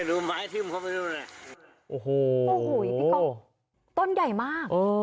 โอ้โหต้นใหญ่มาก